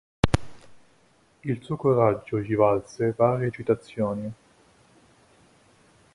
Il suo coraggio gli valse varie citazioni.